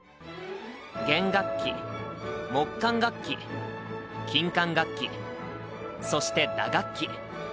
弦楽器木管楽器金管楽器そして打楽器。